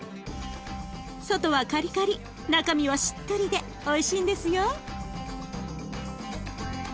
外はカリカリ中身はしっとりでおいしいんですよ。